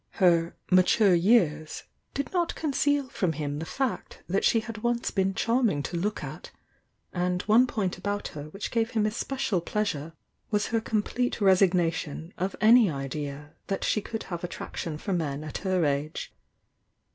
Her "mature years" did not con ceal from him the fact that she had once been charming to look at, — and one point about her whicli gave him especial pleasure was her complete resig nation of any idea that she could have attraction for men at her age.